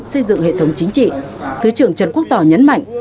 xây dựng hệ thống chính trị thứ trưởng trần quốc tỏ nhấn mạnh